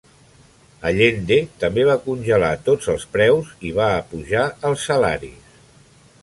Allende també va congelar tots els preus i va apujar els salaris.